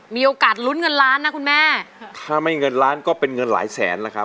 มีโอกาสลุ้นเงินล้านนะคุณแม่ถ้าไม่เงินล้านก็เป็นเงินหลายแสนนะครับ